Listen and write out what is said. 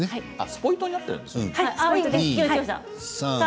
スポイトになっているんですね。